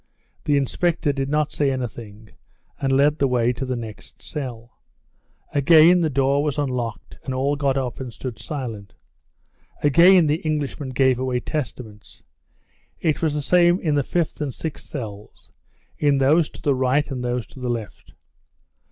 The inspector did not say anything and led the way to the next cell. Again the door was unlocked, and all got up and stood silent. Again the Englishman gave away Testaments. It was the same in the fifth and sixth cells, in those to the right and those to the left.